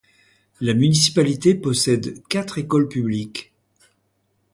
La municipalité possède quatre écoles publiques.